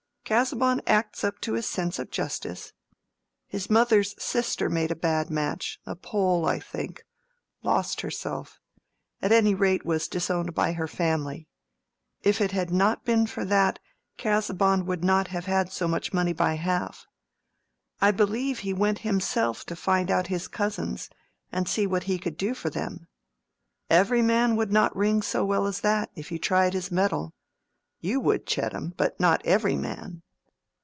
Casaubon acts up to his sense of justice. His mother's sister made a bad match—a Pole, I think—lost herself—at any rate was disowned by her family. If it had not been for that, Casaubon would not have had so much money by half. I believe he went himself to find out his cousins, and see what he could do for them. Every man would not ring so well as that, if you tried his metal. You would, Chettam; but not every man."